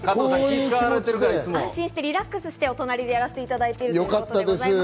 安心してリラックスして、お隣でやらせていただいています。